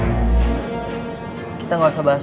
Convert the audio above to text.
aku aku harus beri